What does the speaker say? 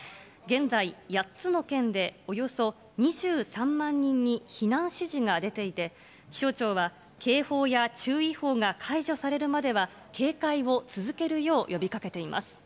現在、８つの県でおよそ２３万人に避難指示が出ていて、気象庁は警報や注意報が解除されるまでは警戒を続けるよう呼びかけています。